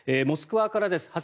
モスクワからです。